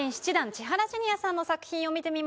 千原ジュニアさんの作品を見てみましょう。